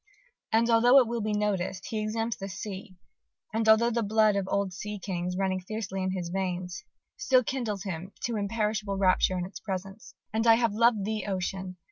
And although, it will be noticed, he exempts the sea and although the blood of old sea kings, running fiercely in his veins, still kindles him to imperishable rapture in its presence, And I have loved thee, Ocean!